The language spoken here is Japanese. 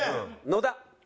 野田。